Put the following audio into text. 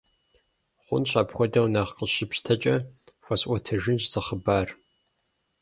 Хъунщ, апхуэдэу нэхъ къыщыпщтэкӀэ, фхуэсӀуэтэжынщ зы хъыбар.